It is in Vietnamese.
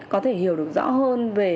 có thể hiểu được rõ hơn về